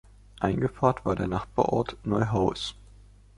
Eingepfarrt war der Nachbarort Neuhaus.